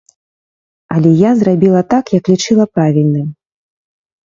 Але я зрабіла так, як лічыла правільным.